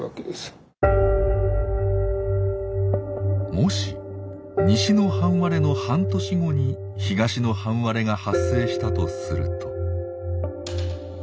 もし西の半割れの半年後に東の半割れが発生したとすると。